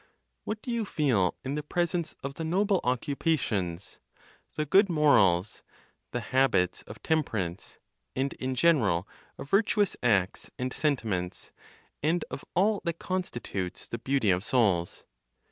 What do you feel in presence of the noble occupations, the good morals, the habits of temperance, and in general of virtuous acts and sentiments, and of all that constitutes the beauty of souls?